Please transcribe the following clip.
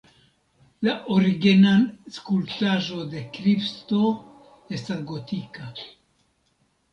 La originan skulptaĵo de Kristo estas gotika.